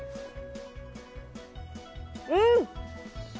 うん！